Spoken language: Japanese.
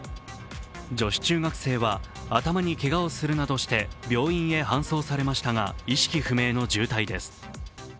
女子中学生は頭にけがをするなどして病院へ搬送されましたが、意識不明の重体です。